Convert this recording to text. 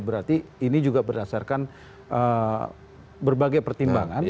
berarti ini juga berdasarkan berbagai pertimbangan